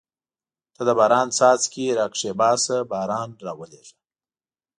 ته د باران څاڅکي را کښېباسه باران راولېږه.